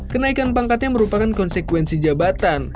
kenaikan pangkatnya merupakan konsekuensi jabatan